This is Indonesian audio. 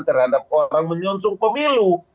terhadap orang menyonsung pemilu